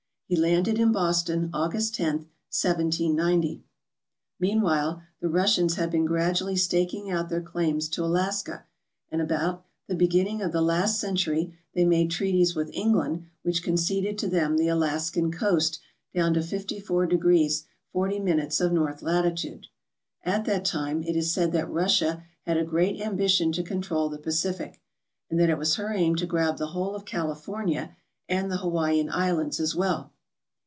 He landed in Boston, August 10, 1790. Meanwhile, the Russians had been gradually staking out their claims to Alaska, and about the beginning of the last century they made treaties with England which conceded to them the Alaskan coast down to fifty four degrees forty minutes of north latitude. At that time it is said that Russia had a great ambition to control the Pacific, and that it was her aim to grab the whole of California and the Hawaiian Islands as well.